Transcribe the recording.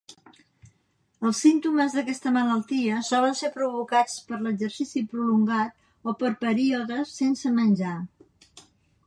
Els símptomes d'aquesta malaltia solen ser provocats per l'exercici prolongat o per períodes sense menjar.